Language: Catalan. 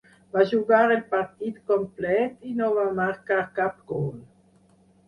Va jugar el partit complet i no va marcar cap gol.